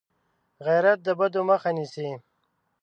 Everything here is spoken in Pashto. غیرت د بدو مخه نیسي